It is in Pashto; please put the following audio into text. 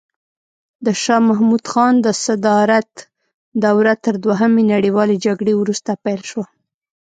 د شاه محمود خان د صدارت دوره تر دوهمې نړیوالې جګړې وروسته پیل شوه.